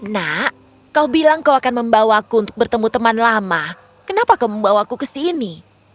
nak kau bilang kau akan membawaku untuk bertemu teman lama kenapa kau membawaku ke sini